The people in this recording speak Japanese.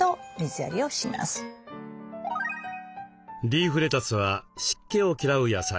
リーフレタスは湿気を嫌う野菜。